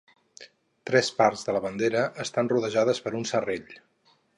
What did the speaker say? Tres parts de la bandera estan rodejades per un serrell.